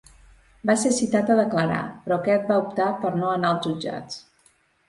Va ser citat a declarar, però aquest va optar per no anar als jutjats.